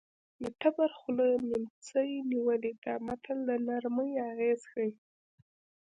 د تبر خوله نیمڅي نیولې ده متل د نرمۍ اغېز ښيي